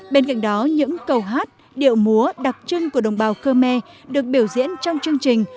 bên cạnh đó những câu hát điệu múa đặc trưng của đồng bào khơ me được biểu diễn trong chương trình